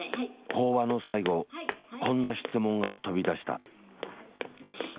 法話の最後こんな質問が飛び出した。